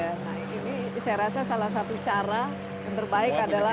nah ini saya rasa salah satu cara yang terbaik adalah